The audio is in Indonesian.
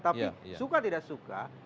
tapi suka tidak suka